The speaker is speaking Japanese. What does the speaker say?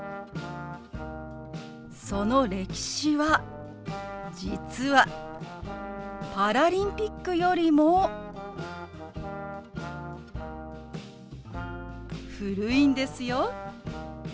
その歴史は実はパラリンピックよりも古いんですよ。